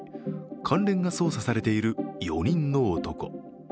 関連が捜査されている４人の男。